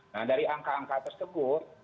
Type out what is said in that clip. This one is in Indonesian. nah dari angka angka tersebut